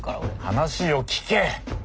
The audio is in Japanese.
話を聞け！